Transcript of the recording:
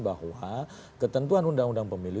bahwa ketentuan undang undang pemilu